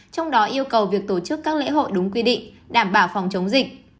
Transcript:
trong đó yêu cầu việc tổ chức các lễ hội đúng quy định đảm bảo phòng chống dịch